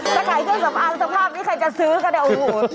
จะขายเครื่องสำอางสภาพนี้ใครจะซื้อกันเนี่ยโอ้โห